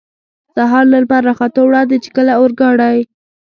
سهار له لمر را ختو وړاندې، چې کله اورګاډی.